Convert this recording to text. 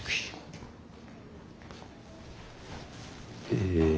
ええ。